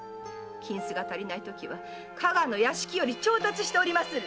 金子が足りないときは加賀の屋敷より調達しておりまする！